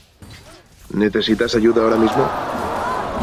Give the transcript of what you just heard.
¿Necesitas ayuda ahora mismo?